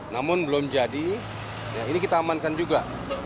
namun belum jadi ini kita amankan juga